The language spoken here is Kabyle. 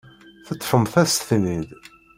Teṭṭfemt-as-ten-id.